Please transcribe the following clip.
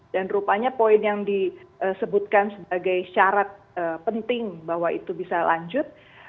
dan rupanya poin yang disebutkan sebagai syarat penting bahwa itu bisa lanjut